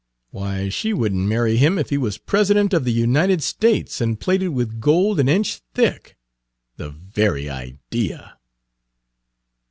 Why, she wouldn't marry him if he was President of the United States and plated with gold an inch thick. The very idea!"